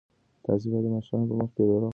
تاسې باید د ماشومانو په مخ کې درواغ ونه وایاست.